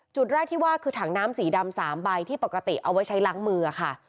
จุดแรกที่ว่าคือถังน้ำสีดำ๓ใบที่ปกติเอาไว้ใช้ล้างมือค่ะ